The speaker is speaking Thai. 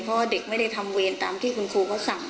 เพราะว่าเด็กไม่ได้ทำเวรตามที่คุณครูเขาสั่ง